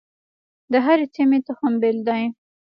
د هرې سیمې تخم بیل دی.